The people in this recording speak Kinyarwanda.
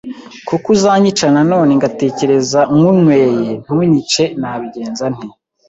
koko uzanyica nanone ngatekereza nywunyweye ntunyice nabigenza nte